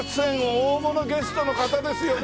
大物ゲストの方ですよね？